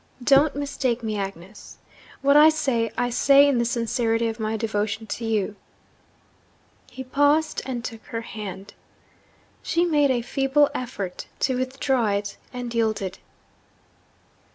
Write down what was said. Don't mistake me, Agnes! what I say, I say in the sincerity of my devotion to you.' He paused, and took her hand. She made a feeble effort to withdraw it and yielded.